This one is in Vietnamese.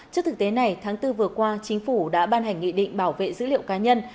trước thực tế này tháng bốn vừa qua chính phủ đã ban hành nghị định bảo vệ dữ liệu cá nhân